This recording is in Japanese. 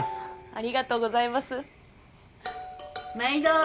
ありがとうございます。